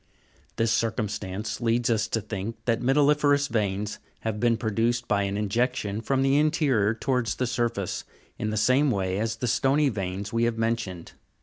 This circumstance leads us to think that metalli'ferous veins have been produced by an injection from the interior towards the surface, in the same way as the stony veins we have mentioned.